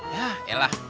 ya ya lah